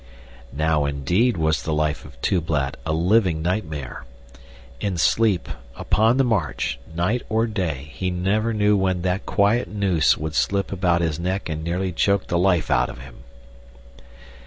Now, indeed, was the life of Tublat a living nightmare. In sleep, upon the march, night or day, he never knew when that quiet noose would slip about his neck and nearly choke the life out of him.